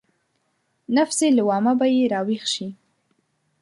نفس لوامه به يې راويښ شي.